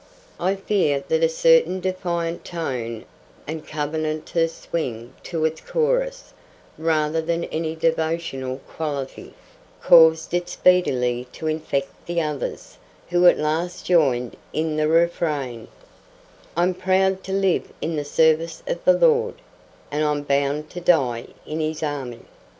I fear that a certain defiant tone and Covenanter's swing to its chorus, rather than any devotional quality, caused it speedily to infect the others, who at last joined in the refrain: "I'm proud to live in the service of the Lord, And I'm bound to die in His army."